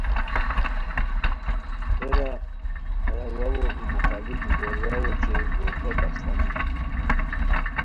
ہیرا ہیہ واؤو ای مخالف گور واؤ اوچے گور بپ استانی